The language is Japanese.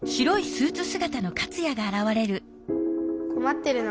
こまってるの？